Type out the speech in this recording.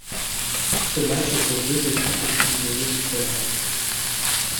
Ce match oppose deux équipes au style de jeu différent.